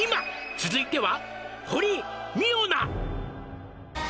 「続いては」